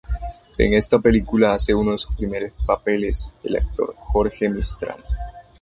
En esta película hace uno de sus primeros papeles el actor Jorge Mistral.